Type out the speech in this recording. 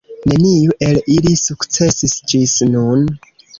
Neniu el ili sukcesis ĝis nun.